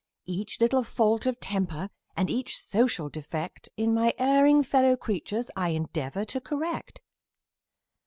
Each little fault of temper and each social defect In my erring fellow creatures, I endeavor to correct.